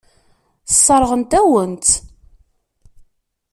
Sseṛɣent-awen-tt.